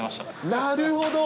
なるほど。